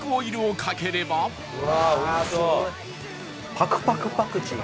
パクパクパクチー。